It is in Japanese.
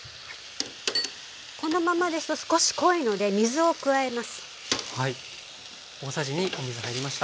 このままですと少し濃いので水を加えます。